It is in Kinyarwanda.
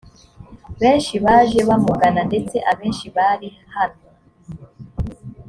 benshi baje bamugana ndetse abenshi bari hano